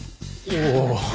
おお。